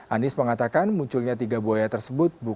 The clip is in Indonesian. anies mengatakan munculnya tiga buaya tersebut